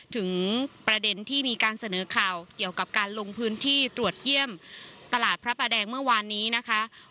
ถึงประเด็นที่มีการเสนอข่าวเกี่ยวกับการลงพื้นที่ตรวจเยี่ยมตลาดพระประแดงเมื่อวานนี้นะคะ